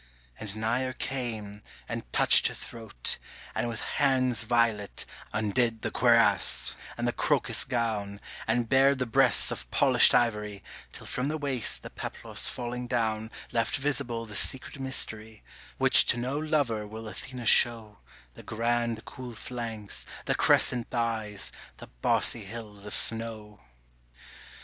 And nigher came, and touched her throat, and with hands violate Undid the cuirass, and the crocus gown, And bared the breasts of polished ivory, Till from the waist the peplos falling down Left visible the secret mystery Which to no lover will Athena show, The grand cool flanks, the crescent thighs, the bossy hills of snow.